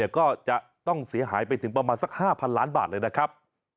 ก็จะต้องเสียหายไปถึงประมาณสัก๕๐๐ล้านบาทเลยนะครับ